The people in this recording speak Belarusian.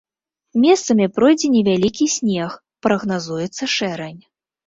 Месцамі пройдзе невялікі снег, прагназуецца шэрань.